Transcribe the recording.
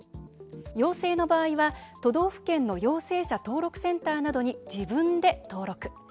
陽性の場合は、都道府県の陽性者登録センターなどに「自分で」登録。